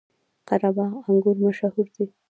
قره باغ انګور مشهور دي؟